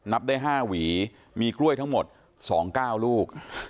นับได้ห้าหวีมีกล้วยทั้งหมดสองเก้าลูก